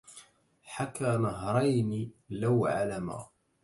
حكى نهرين لو علما